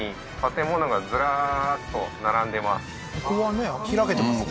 ここはね開けてますね